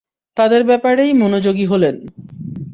তাদের ব্যাপারেই মনোেযোগী হলেন।